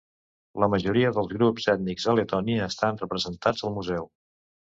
La majoria dels grups ètnics a Letònia estan representats al museu.